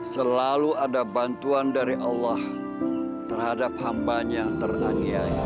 selalu ada bantuan dari allah terhadap hamba nya yang teraniai